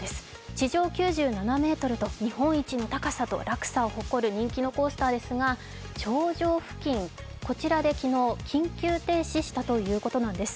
地上９７ｍと日本一の高さと落差を誇る人気のコースターですが頂上付近、こちらで昨日、緊急停止したということなんです。